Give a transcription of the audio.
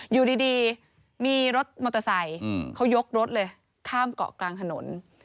อยู่ดีมีรถมอเตอร์ไซค์เขายกรถเลยข้ามเกาะกลางถนน